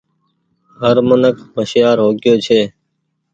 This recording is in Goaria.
هر منک هوشيآر هو گيو ڇي۔